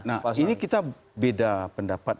nah ini kita beda pendapat